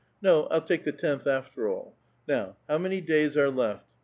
No, I'll take the tenth, after all. Now, how many days are left?